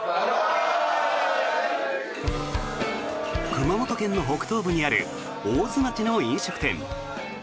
熊本県の北東部にある大津町の飲食店。